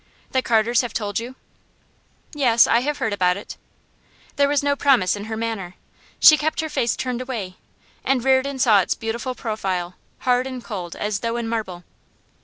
'The Carters have told you?' 'Yes; I have heard about it.' There was no promise in her manner. She kept her face turned away, and Reardon saw its beautiful profile, hard and cold as though in marble.